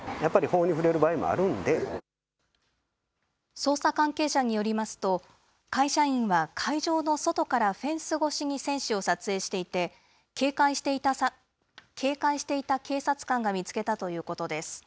捜査関係者によりますと、会社員は、会場の外からフェンス越しに選手を撮影していて、警戒していた警察官が見つけたということです。